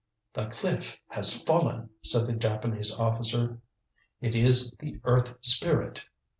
"The cliff has fallen," said the Japanese officer; "it is the Earth Spirit."